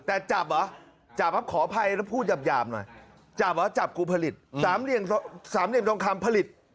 แต่จับอ๊ะจับครับขออภัยก็พูดยาบหน่อยจับอ๊ะจับกูผลิต๓เหลี่ยมรองคำผลิต